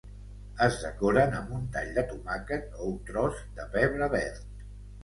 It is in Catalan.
Es decoren amb un tall de tomàquet o un tros de pebre verd.